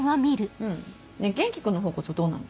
ううん。ねぇ元気君の方こそどうなの？